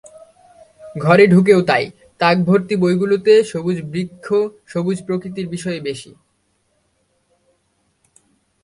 ঘরে ঢুকেও তাই, তাকভর্তি বইগুলোতে সবুজ বৃক্ষ সবুজ প্রকৃতির বিষয়ই বেশি।